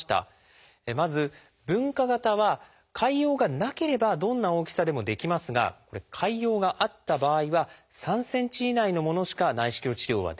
まず分化型は潰瘍がなければどんな大きさでもできますが潰瘍があった場合は３ｃｍ以内のものしか内視鏡治療はできません。